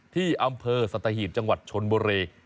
ที่อำเภอสัตหีบจังหวัดชนบุรี